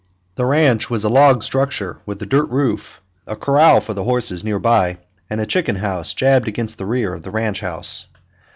The ranch was a log structure with a dirt roof, a corral for the horses near by, and a chicken house jabbed against the rear of the ranch house.